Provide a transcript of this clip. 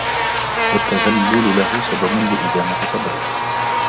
وَالتَّذَلُّلَ لَهُ سَبَبٌ لِإِدَامَةِ صَبْرِهِ